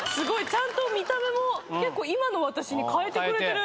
ちゃんと見た目も結構今の私に変えてくれてる。